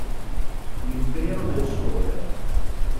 L'impero del sole